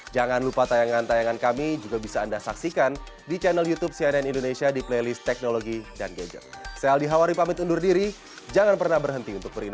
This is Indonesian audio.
jangan lupa tayangan tayangan kami juga bisa anda saksikan di channel youtube cnn indonesia di playlist teknologi dan gadget